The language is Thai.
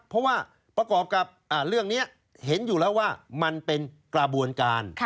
เพราะว่าประกอบกับเรื่องนี้เห็นอยู่แล้วว่ามันเป็นกระบวนการ